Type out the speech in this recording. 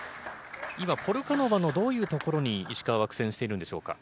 今、ポルカノバのどういうところに石川は苦戦しているんでしょうか？